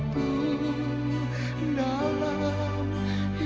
dalam hidup yang mati